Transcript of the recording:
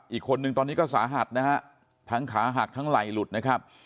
อีกคนนึงตอนนี้ก็สาหัสนะฮะทั้งขาหักทั้งไหล่หลุดนะครับ